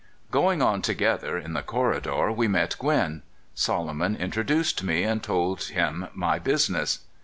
Going on together, in the corridor we met Gwin. Solomon introduced me, and told him my business.